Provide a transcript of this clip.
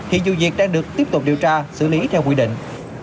hiện vụ việc đang được tiếp tục điều tra xử lý theo quy định